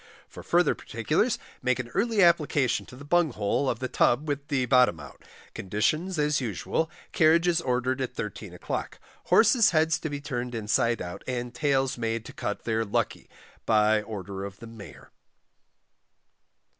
_ For further particulars make an early application to the Bung hole of the Tub with the bottom out. Conditions as usual. Carriages ordered at 13 o'clock. Horses heads to be turned inside out, and Tails made to cut their Lucky by order of the MAYOR.